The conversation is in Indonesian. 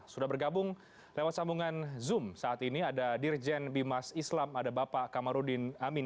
sudah bergabung lewat sambungan zoom saat ini ada dirjen bimas islam ada bapak kamarudin amin